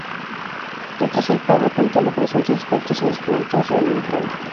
Retrasó el pago, apuntando presuntos defectos en los productos de Remington.